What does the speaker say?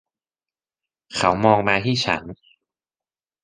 เขามองมาที่ฉัน.